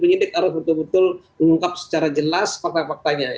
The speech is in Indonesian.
penyidik harus betul betul mengungkap secara jelas fakta faktanya